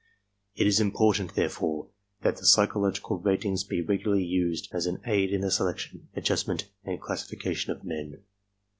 It is important, therefore, that the psychological rat ings be regularly used as an aid in the selection, assignment, and classification of men.